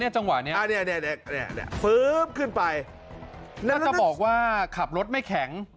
จะบอกว่าขับรถไม่แข็ง